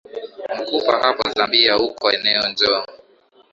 mkupa hapo zambia uko eneo njoo